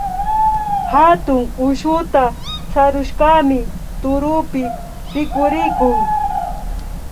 Hatun ushuta sarushkami turupi rikurikun